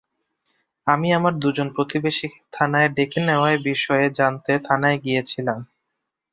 আমি আমার দুজন প্রতিবেশীকে থানায় ডেকে নেওয়ার বিষয়ে জানতে থানায় গিয়েছিলাম।